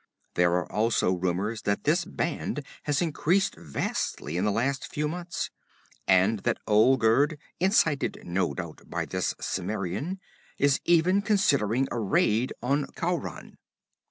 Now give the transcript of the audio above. There are also rumors that this band has increased vastly in the last few months, and that Olgerd, incited no doubt by this Cimmerian, is even considering a raid on Khauran.